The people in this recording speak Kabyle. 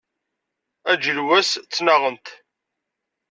Aǧilewwas ttnaɣent.